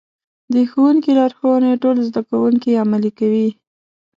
د ښوونکي لارښوونې ټول زده کوونکي عملي کوي.